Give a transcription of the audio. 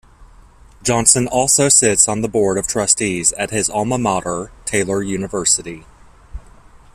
Johnson also sits on the Board of Trustees at his alma mater, Taylor University.